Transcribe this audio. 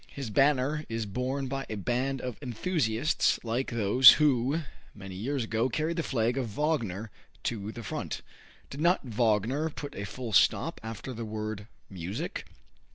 His banner is borne by a band of enthusiasts like those who, many years ago, carried the flag of Wagner to the front. "Did not Wagner put a full stop after the word 'music'?"